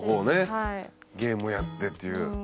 ゲームをやってっていう。